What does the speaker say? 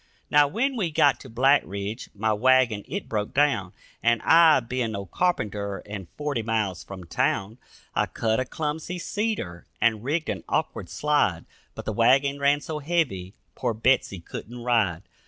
Now, when we got to Black Ridge, my wagon it broke down, And I, being no carpenter and forty miles from town, I cut a clumsy cedar and rigged an awkward slide, But the wagon ran so heavy poor Betsy couldn't ride.